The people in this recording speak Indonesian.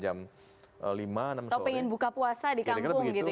atau pengen buka puasa di kampung